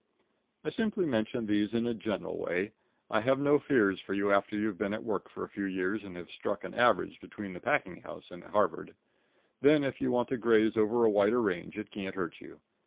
I simply mention these things in a general way. I have no fears for you after you've been at work for a few years, and have struck an average between the packing house and Harvard; then if you want to graze over a wider range it can't hurt you.